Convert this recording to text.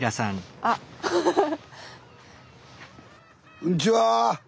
こんにちは。